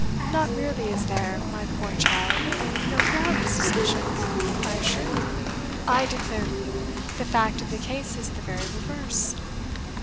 not merely is there, my poor child! no ground of suspicion, I assure you, I declare to you, the fact of the case is the very reverse.